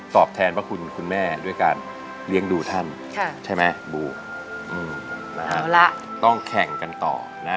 แทนพระคุณคุณแม่ด้วยการเลี้ยงดูท่านใช่ไหมบูเอาละต้องแข่งกันต่อนะ